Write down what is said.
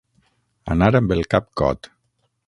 Anar amb el cap cot.